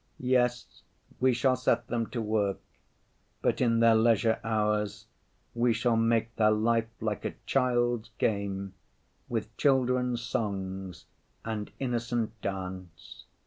Yes, we shall set them to work, but in their leisure hours we shall make their life like a child's game, with children's songs and innocent dance.